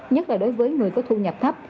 nhất là đối với người có thu nhập thấp